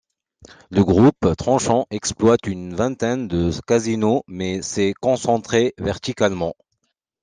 Le groupe Tranchant exploite une vingtaine de casinos mais s’est concentré verticalement.